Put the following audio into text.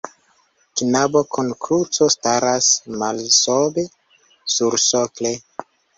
Knabo kun kruco staras malsobe sursokle.